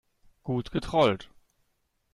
Gut getrollt.